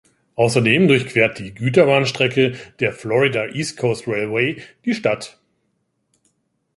Außerdem durchquert die Güterbahnstrecke der Florida East Coast Railway die Stadt.